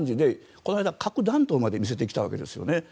この間、核弾頭まで見せてきたわけですよね。